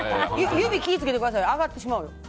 指、気を付けてくださいよ揚がってしまう。